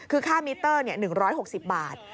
คือค่ามิเตอร์เนี่ย๑๖๐บาท